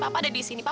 pak t kter cenag